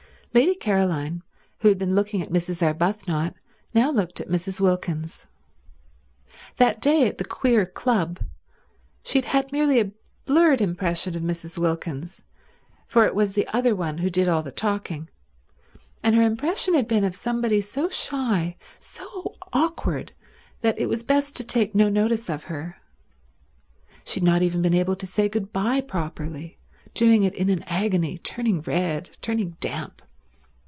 Lady Caroline, who had been looking at Mrs. Arbuthnot, now looked at Mrs. Wilkins. That day at the queer club she had had merely a blurred impression of Mrs. Wilkins, for it was the other one who did all the talking, and her impression had been of somebody so shy, so awkward that it was best to take no notice of her. She had not even been able to say good bye properly, doing it in an agony, turning red, turning damp.